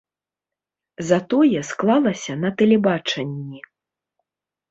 Затое склалася на тэлебачанні.